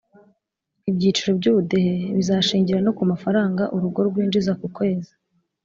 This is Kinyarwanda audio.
ibyiciro by’ubudehe bizashingira no ku mafaranga urugo rwinjiza ku kwezi